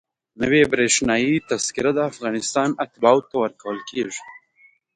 نوې برېښنایي تذکره د افغانستان اتباعو ته ورکول کېږي.